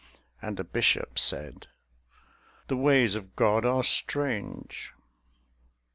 And the Bishop said: "The ways of God are strange!"